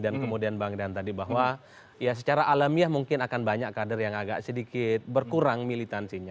dan kemudian bang dan tadi bahwa ya secara alamiah mungkin akan banyak kader yang agak sedikit berkurang militansinya